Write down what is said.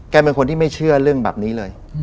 เป็นคนที่ไม่เชื่อเรื่องแบบนี้เลย